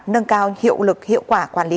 nâng cao hiệu lực hiệu quả quản lý